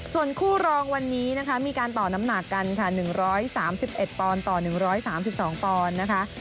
ส่วนคู่รองวันนี้ต่อน้ำหนักกัน๑๓๑ปอนด์ต่อ๑๓๒ปอนด์